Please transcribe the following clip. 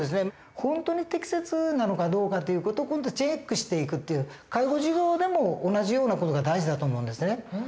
本当に適切なのかどうかっていう事をチェックしていくっていう介護事業でも同じような事が大事だと思うんですね。